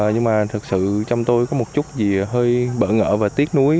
nhưng mà thực sự trong tôi có một chút gì hơi bỡ ngỡ và tiếc nuối